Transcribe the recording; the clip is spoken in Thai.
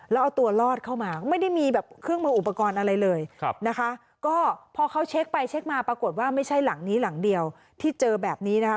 แล้วเอาตัวรอดเข้ามาไม่ได้มีแบบเครื่องมืออุปกรณ์อะไรเลยนะคะก็พอเขาเช็คไปเช็คมาปรากฏว่าไม่ใช่หลังนี้หลังเดียวที่เจอแบบนี้นะคะ